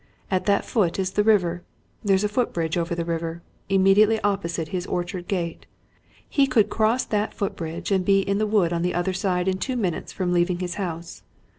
At that foot is the river. There's a foot bridge over the river, immediately opposite his orchard gate. He could cross that foot bridge, and be in the wood on the other side in two minutes from leaving his house.